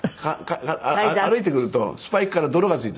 歩いてくるとスパイクから泥がついて。